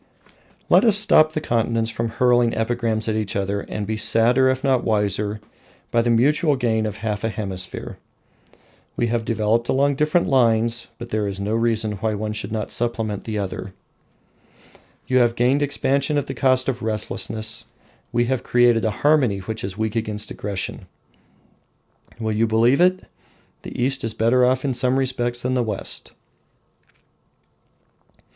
Let us stop the continents from hurling epigrams at each other, and be sadder if not wiser by the mutual gain of half a hemisphere. We have developed along different lines, but there is no reason why one should not supplement the other. You have gained expansion at the cost of restlessness; we have created a harmony which is weak against aggression. Will you believe it? the East is better off in some respects than the West!